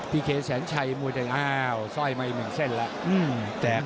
พี่เคแสนชัยมวยแสนชัยอ้าวสร้อยไม่เหมือนเส้นแล้ว